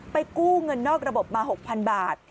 กู้เงินนอกระบบมา๖๐๐๐บาท